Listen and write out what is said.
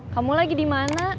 kamu lagi di mana